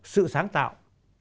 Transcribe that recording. sự sáng tạo